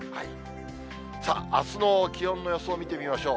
さあ、あすの気温の予想を見てみましょう。